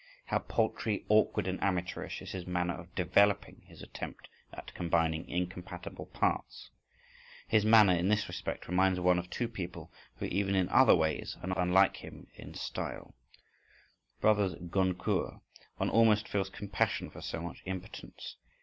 How paltry, awkward, and amateurish is his manner of "developing," his attempt at combining incompatible parts. His manner in this respect reminds one of two people who even in other ways are not unlike him in style—the brothers Goncourt; one almost feels compassion for so much impotence.